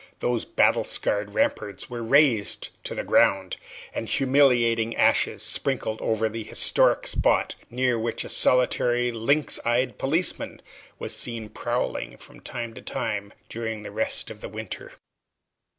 Those battle scarred ramparts were razed to the ground, and humiliating ashes sprinkled over the historic spot, near which a solitary lynx eyed policeman was seen prowling from time to time during the rest of the winter.